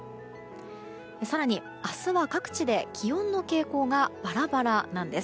更に、明日は各地で気温の傾向がバラバラなんです。